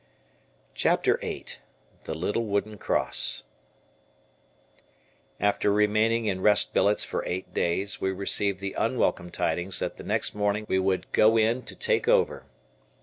CHAPTER VIII THE LITTLE WOODEN CROSS After remaining in rest billets for eight days, we received the unwelcome tidings that the next morning we would "go in" to "take over."